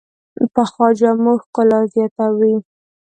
پخو جامو ښکلا زیاته وي